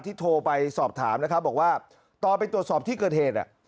โทรไปสอบถามนะครับบอกว่าตอนไปตรวจสอบที่เกิดเหตุ